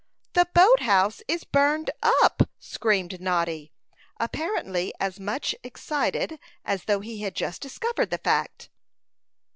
"The boat house is burned up!" screamed Noddy, apparently as much excited as though he had just discovered the fact.